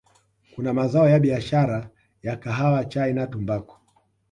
kuna mazao ya biashara ya Kahawa Chai na Tumbaku